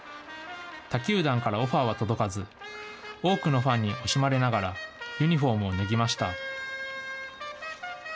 他球団からオファーは届かず、多くのファンに惜しまれながら、ユニホームを脱ぎました。